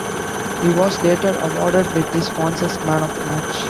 He was later awarded with the Sponsor's Man of the Match.